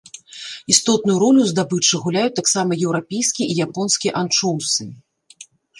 Істотную ролю ў здабычы гуляюць таксама еўрапейскі і японскі анчоўсы.